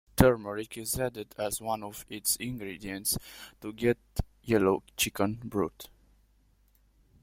Turmeric is added as one of its ingredients to get yellow chicken broth.